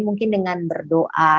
mungkin dengan berbicara